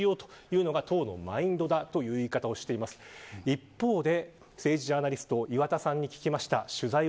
一方で政治ジャーナリスト岩田さんに聞きました。